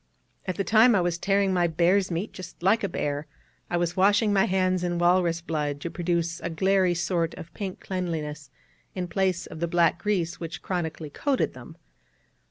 At this time I was tearing my bear's meat just like a bear; I was washing my hands in walrus blood to produce a glairy sort of pink cleanliness, in place of the black grease which chronically coated them.